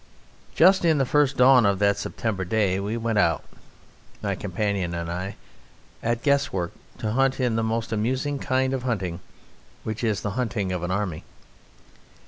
Just in the first dawn of that September day we went out, my companion and I, at guesswork to hunt in the most amusing kind of hunting, which is the hunting of an army.